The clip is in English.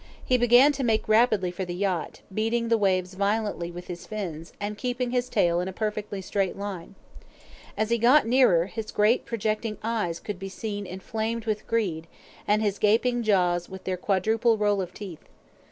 He began to make rapidly for the yacht, beating the waves violently with his fins, and keeping his tail in a perfectly straight line. As he got nearer, his great projecting eyes could be seen inflamed with greed, and his gaping jaws with their quadruple row of teeth.